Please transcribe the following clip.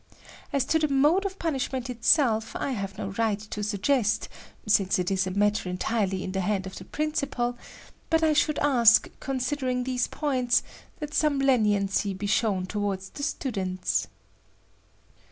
As to the mode of punishment itself, I have no right to suggest since it is a matter entirely in the hand of the principal, but I should ask, considering these points, that some leniency be shown toward the students."